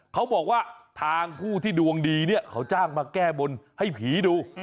เขาบอกว่าทางผู้ที่ดวงดีเนี่ยเขาจ้างมาแก้บนให้ผีดู